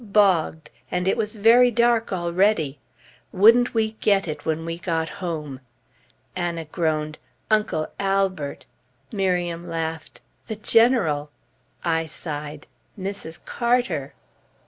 Bogged, and it was very dark already! Wouldn't we get it when we got home! Anna groaned, "Uncle Albert!" Miriam laughed, "the General!" I sighed, "Mrs. Carter!"